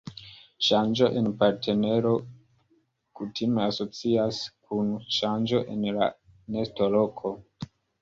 Ŝanĝo en partnero kutime asocias kun ŝanĝo en la nestoloko.